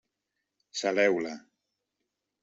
Saleu-la.